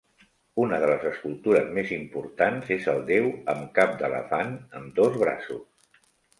Una de les escultures més importants és el déu amb cap d'elefant amb dos braços.